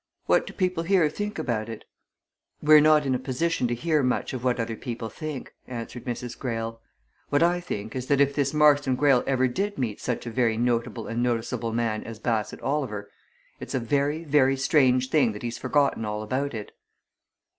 "What do people here think about it?" "We're not in a position to hear much of what other people think," answered Mrs. Greyle. "What I think is that if this Marston Greyle ever did meet such a very notable and noticeable man as Bassett Oliver it's a very, very strange thing that he's forgotten all about it!"